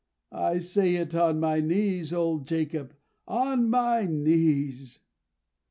I say it on my knees, old Jacob; on my knees!"